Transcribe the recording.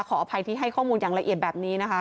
ขออภัยที่ให้ข้อมูลอย่างละเอียดแบบนี้นะคะ